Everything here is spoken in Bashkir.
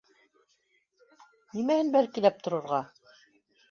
— Нимәһен бәлкиләп торорға